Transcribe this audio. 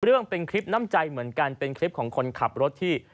เรื่องเป็นคลิปน้ำใจเหมือนกันเป็นคลิปของคนขับรถที่